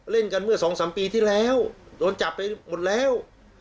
เล่นกันเมื่อสองสามปีที่แล้วโดนจับไปหมดแล้ว